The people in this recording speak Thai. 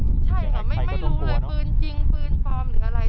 ใช่หรอไม่รู้เลยว่าเป็นปืนจริงปืนปลอมหรืออะไร